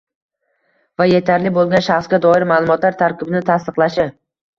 va yetarli bo‘lgan shaxsga doir ma’lumotlar tarkibini tasdiqlashi;